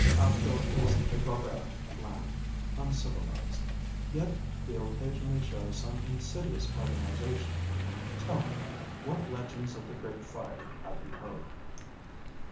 Aptor is a barbaric land, uncivilized. Yet they occasionally show some insidious organization. Tell me, what legends of the Great Fire have you heard?"